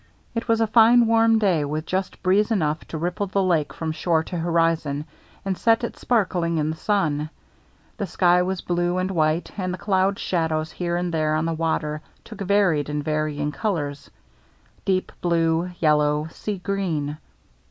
It was a fine warm day, with just breeze enough to ripple the lake from shore to hori zon, and set it sparkling in the sun. The sky was blue and white; and the cloud shadows here and there on the water took varied and varying colors — deep blue, yellow, sea green.